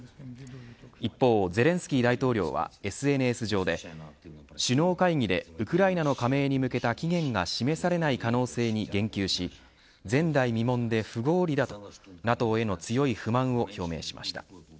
一方、ゼレンスキー大統領はＳＮＳ上で首脳会議でウクライナの加盟に向けた期限が示されない可能性に言及し前代未聞で不合理だとＮＡＴＯへの強い不満を表明しました。